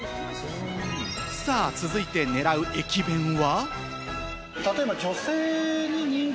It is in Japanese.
さあ、続いて狙う駅弁は。